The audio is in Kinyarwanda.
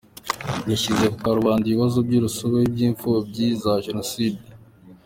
yashyize ku karubanda ibibazo by’urusobe by’imfubyi za jenoside